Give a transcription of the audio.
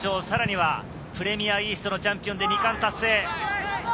さらにはプレミアＥＡＳＴのチャンピオンで２冠達成。